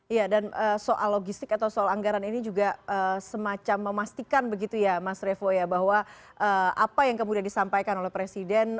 iya dan soal logistik atau soal anggaran ini juga semacam memastikan begitu ya mas revo ya bahwa apa yang kemudian disampaikan oleh presiden